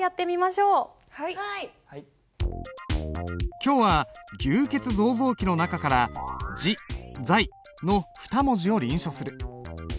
今日は「牛造像記」の中から「自在」の２文字を臨書する。